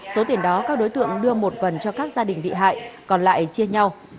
số tiền đó các đối tượng đưa một phần cho các gia đình bị hại còn lại chia nhau